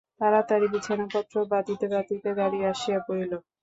তাড়াতাড়ি বিছানাপত্র বাঁধিতে বাঁধিতে গাড়ি আসিয়া পড়িল।